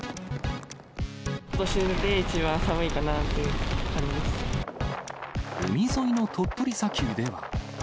ことしで一番寒いかなってい海沿いの鳥取砂丘では。